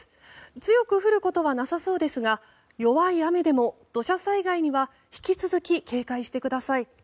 強く降るところはなさそうですが弱い雨でも土砂災害には引き続き警戒してください。